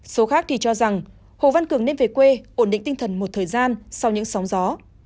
số khác thì cho rằng hồ văn cường nên về quê ổn định tinh thần một thời gian sau những sóng gió